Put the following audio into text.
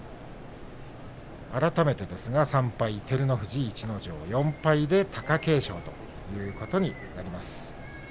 改めてですが３敗、照ノ富士、逸ノ城４敗で貴景勝ということになります。